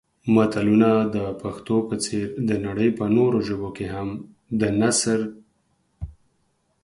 متلونه د پښتو په څېر د نړۍ په نورو ژبو کې هم د نثر